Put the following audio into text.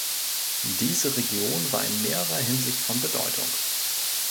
Diese Region war in mehrerer Hinsicht von Bedeutung.